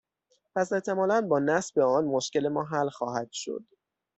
پس احتمالا با نصب آن، مشکل ما حل خواهد شد.